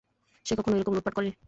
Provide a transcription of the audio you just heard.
সে কখনো এরকম লুটপাট করেনি।